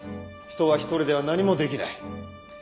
人は一人では何もできない。